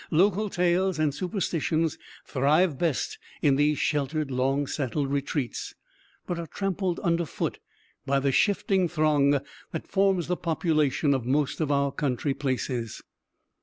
Local tales and superstitions thrive best in these sheltered long settled retreats; but are trampled under foot by the shifting throng that forms the population of most of our country places.